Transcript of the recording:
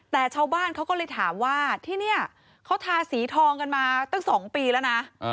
แต่ชาวบ้านเขาก็เลยถามว่าที่นี่เขาทาสีทองกันมาตั้ง๒ปีแล้วนะ